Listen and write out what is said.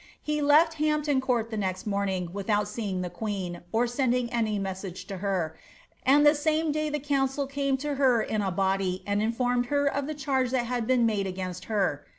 He lef^ Hampton Court the next morning without seeing the queen, or sending any message to her ; and the same day the council came to her in a body, and informed her of the charge that had been made against her.